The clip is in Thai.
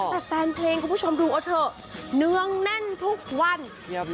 แต่แฟนเพลงคุณผู้ชมดูเอาเถอะเนืองแน่นทุกวัน